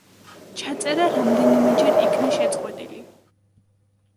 ჩაწერა რამდენიმეჯერ იქნა შეწყვეტილი.